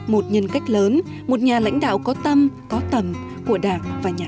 một nhân cách lớn một nhà lãnh đạo có tâm có tầm của đảng và nhân dân